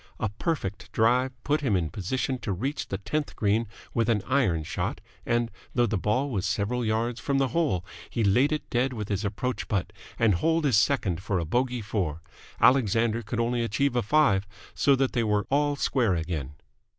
A perfect drive put him in position to reach the tenth green with an iron shot, and, though the ball was several yards from the hole, he laid it dead with his approach putt and holed his second for a bogey four. Alexander could only achieve a five, so that they were all square again.